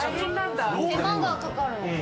手間がかかるのか。